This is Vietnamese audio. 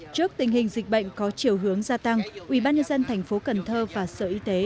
trước tình hình dịch bệnh có chiều hướng gia tăng ubnd tp cần thơ và sở y tế